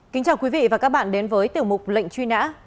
kính chào quý vị và các bạn đến với tiểu mục lệnh truy nã